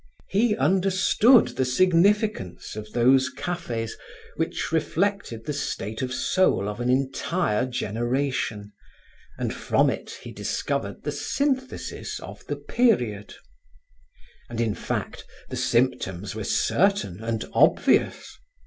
He understood the significance of those cafes which reflected the state of soul of an entire generation, and from it he discovered the synthesis of the period. And, in fact, the symptoms were certain and obvious.